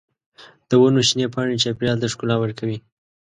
د ونو شنې پاڼې چاپېریال ته ښکلا ورکوي.